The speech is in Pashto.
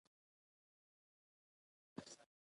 د خوړو کموالي له کبله انسانان مجبور شول.